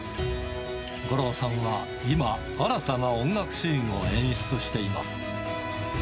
五郎さんは今、新たな音楽シーンを演出しています。